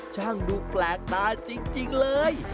ช่างดูแปลกตาจริงเลย